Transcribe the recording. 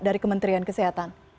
dari kementerian kesehatan